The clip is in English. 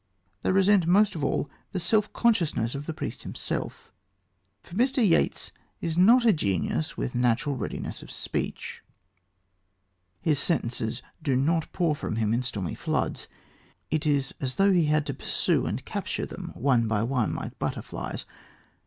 They resent, most of all, the self consciousness of the priest himself. For Mr. Yeats's is not a genius with natural readiness of speech. His sentences do not pour from him in stormy floods. It is as though he had to pursue and capture them one by one, like butterflies.